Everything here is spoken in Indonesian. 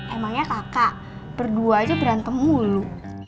emangnya kakak berdua aja berantem mulu